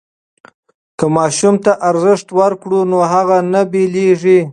که ماشوم ته ارزښت ورکړو نو هغه نه بېلېږي.